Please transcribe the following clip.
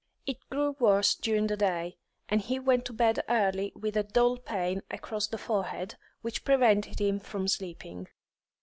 It grew worse during the day, and he went to bed early with a dull pain across the forehead, which prevented him from sleeping.